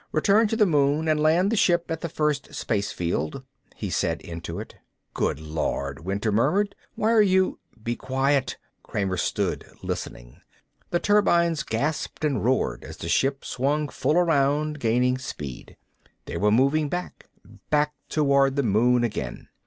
"Return to the moon and land the ship at the first space field," he said into it. "Good Lord," Winter murmured. "Why are you " "Be quiet." Kramer stood, listening. The turbines gasped and roared as the ship swung full around, gaining speed. They were moving back, back toward the moon again.